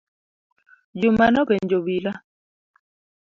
Juma nopenjo obila.